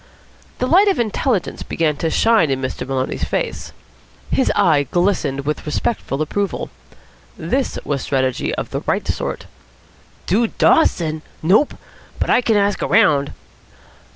The light of intelligence began to shine in Master Maloney's face. His eye glistened with respectful approval. This was strategy of the right sort. "Dude Dawson? Nope. But I can ask around."